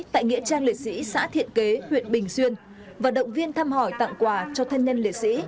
tại nghĩa trang liệt sĩ xã thiện kế huyện bình xuyên và động viên thăm hỏi tặng quà cho thân nhân liệt sĩ